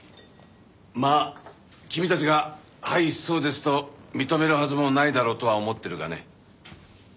まあ君たちが「はいそうです」と認めるはずもないだろうとは思ってるがね。